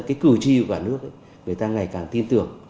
cái cử tri cả nước người ta ngày càng tin tưởng